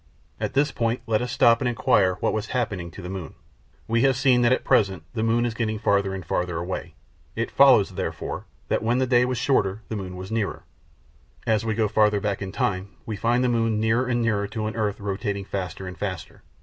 At this point let us stop and inquire what was happening to the moon. We have seen that at present the moon is getting farther and farther away. It follows, therefore, that when the day was shorter the moon was nearer. As we go farther back in time we find the moon nearer and nearer to an earth rotating faster and faster.